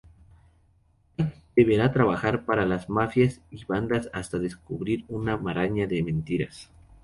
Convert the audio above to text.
Mike deberá trabajar para las mafias y bandas hasta descubrir una maraña de mentiras.